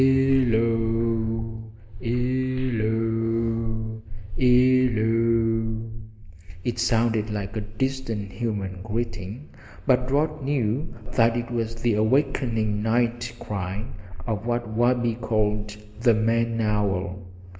"'Ello 'ello 'ello!" It sounded like a distant human greeting, but Rod knew that it was the awakening night cry of what Wabi called the "man owl."